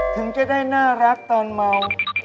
ถึงจะได้น่ารักตอนเมา